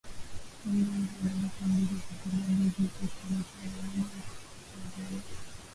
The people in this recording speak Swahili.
vumbi nje ya ghorofa mbili za kilabu hicho kiitwacho Enyobeni Tavern